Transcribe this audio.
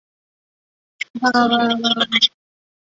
长梗匙叶五加为五加科五加属匙叶五加的变种。